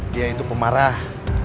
dia itu pemarah